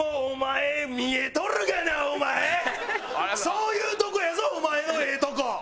そういうとこやぞお前のええとこ！